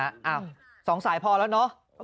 อ้าว๒สายพอแล้วเนอะ